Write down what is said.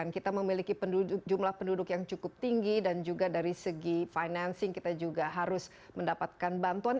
kita juga harus mendapatkan bantuan